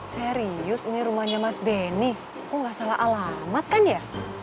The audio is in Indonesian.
serius ini rumahnya mas benny kok nggak salah alamat kan ya